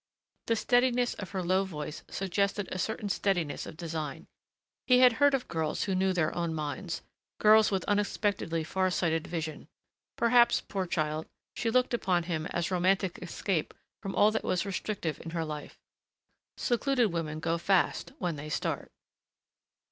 The steadiness of her low voice suggested a certain steadiness of design.... He had heard of girls who knew their own minds ... girls with unexpectedly far sighted vision.... Perhaps, poor child, she looked upon him as romantic escape from all that was restrictive in her life. Secluded women go fast when they start.